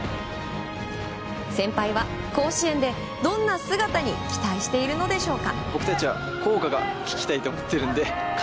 先輩は甲子園で、どんな姿に期待しているのでしょうか。